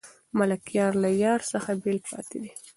ملکیار له یار څخه بېل پاتې دی.